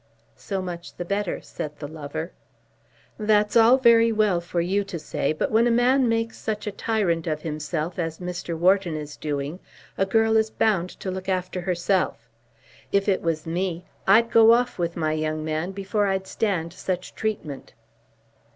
"So much the better," said the lover. "That's all very well for you to say, but when a man makes such a tyrant of himself as Mr. Wharton is doing, a girl is bound to look after herself. If it was me I'd go off with my young man before I'd stand such treatment."